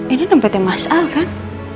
ini dompetnya mas al kan